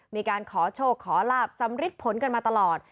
มีการขอโชคขอลาบสำริดผลกันมาตลอด